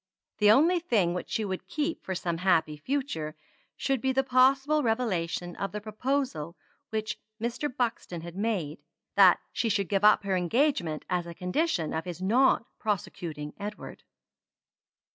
The only thing which she would keep for some happy future should be the possible revelation of the proposal which Mr. Buxton had made, that she should give up her engagement as a condition of his not prosecuting Edward.